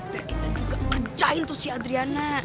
biar kita juga ngecain tuh si adriana